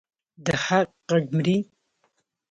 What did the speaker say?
د حق غږ مري؟